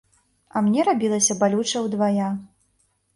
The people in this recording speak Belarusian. А мне рабілася балюча ўдвая.